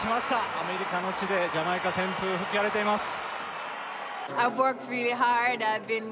アメリカの地でジャマイカ旋風吹き荒れています